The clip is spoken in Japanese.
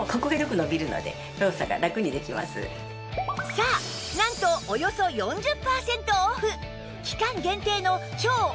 さあなんとおよそ４０パーセントオフ！